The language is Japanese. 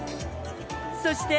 そして。